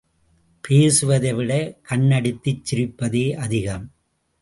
பேசுவதைவிட கண்ணடித்துச் சிரிப்பதே அதிகம்.